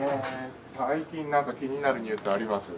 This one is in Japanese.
最近何か気になるニュースあります？